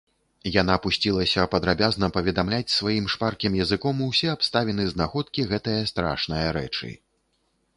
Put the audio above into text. Яна пусцілася падрабязна паведамляць сваім шпаркім языком усе абставіны знаходкі гэтае страшнае рэчы.